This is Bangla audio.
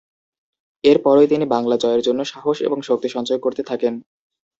এর পরই তিনি বাংলা জয়ের জন্য সাহস এবং শক্তি সঞ্চয় করতে থাকেন।